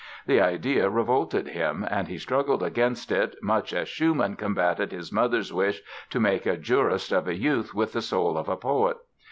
The idea revolted him and he struggled against it much as Schumann combated his mother's wish to make a jurist of a youth with the soul of a poet.